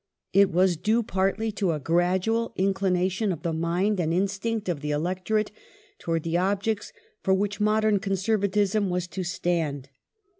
It was due partly to a gradual inclination of the mind and instinct of the electorate towards the objects for which modern Conservatism was to stand.